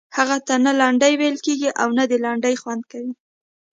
هغه ته نه لنډۍ ویل کیږي او نه د لنډۍ خوند کوي.